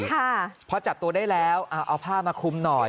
ค่ะพอจับตัวได้แล้วเอาผ้ามาคุมหน่อย